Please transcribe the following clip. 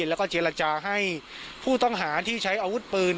แล้วก็เจรจาให้ผู้ต้องหาที่ใช้อาวุธปืน